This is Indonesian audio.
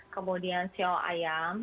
kemudian ceo ayam